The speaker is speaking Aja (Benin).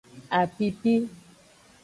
Apipi.